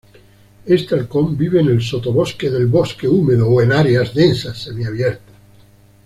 Este halcón vive en el sotobosque del bosque húmedo o en áreas densas semiabiertas.